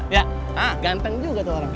ya ganteng juga tuh orang